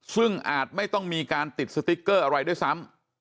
ซึ่งอาจไม่ต้องมีการติดสติ๊กเกอร์อะไรด้วยซ้ำ